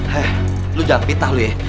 heh lu jangan pitah lu ya